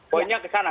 poinnya ke sana